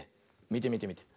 みてみてみて。